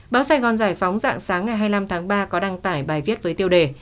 báo sài gòn giải phóng dạng sáng ngày hai mươi năm tháng ba có đăng tải bài viết với tiêu đề